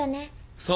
そう。